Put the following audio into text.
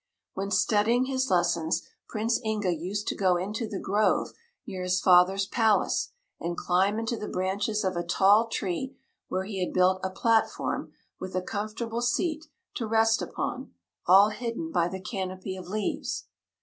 When studying his lessons Prince Inga used to go into the grove near his father's palace and climb into the branches of a tall tree, where he had built a platform with a comfortable seat to rest upon, all hidden by the canopy of leaves.